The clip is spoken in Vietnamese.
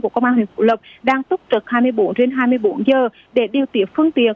của công an huyện phủ lộc đang túc trực hai mươi bốn h trên hai mươi bốn h để điều tiện phương tiện